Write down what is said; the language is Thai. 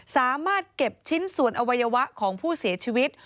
สามารถเก็บชิ้นส่วนอวัยวะของผู้เสียชีวิต